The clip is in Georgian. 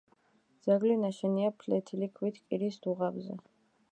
ძეგლი ნაშენია ფლეთილი ქვით კირის დუღაბზე.